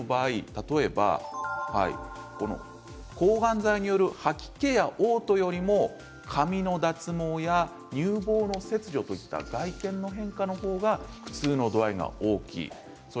例えば抗がん剤による吐き気やおう吐よりも髪の脱毛や乳房の切除といった外見の変化の方が苦痛の度合いが大きい。